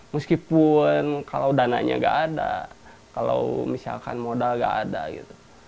meskipun kalau dananya nggak ada kalau misalkan modal nggak ada gitu